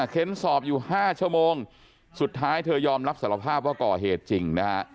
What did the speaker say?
เค้นสอบอยู่๕ชั่วโมงสุดท้ายเธอยอมรับสารภาพว่าก่อเหตุจริงนะฮะ